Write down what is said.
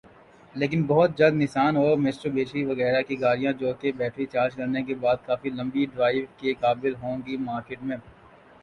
لیکن بہت جلد نسان اور میٹسوبشی وغیرہ کی گاڑیاں جو کہ بیٹری چارج کرنے کے بعد کافی لمبی ڈرائیو کے قابل ہوں گی مارکیٹ میں